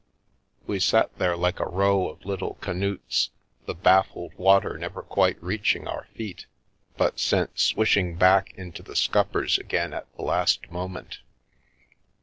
We sat there like a row of little Canutes, the baffled water never quite reaching our feet, but sent swishing back into the scuppers again at the last moment.